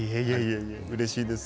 うれしいです。